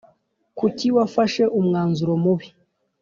Kuki wafashe umwanzuro mubi